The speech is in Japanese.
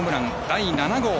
第７号。